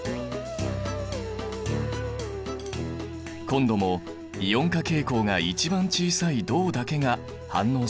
今度もイオン化傾向が一番小さい銅だけが反応しなかった。